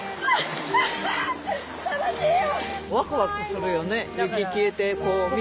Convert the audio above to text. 楽しいよ！